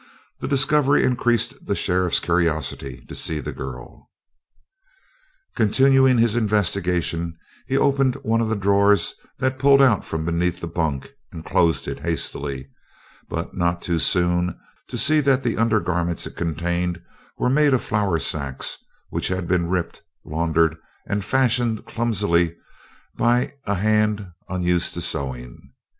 The discovery increased the sheriff's curiosity to see the girl. Continuing his investigations, he opened one of the drawers that pulled out from beneath the bunk, and closed it hastily but not too soon to see that the undergarments it contained were made of flour sacks which had been ripped, laundered and fashioned clumsily by a hand unused to sewing.